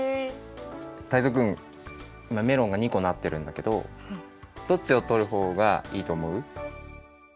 タイゾウくんメロンが２こなってるんだけどどっちをとるほうがいいとおもう？